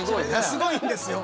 すごいんですよ。